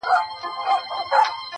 هغه خپلواک او د بګړیو وطن؛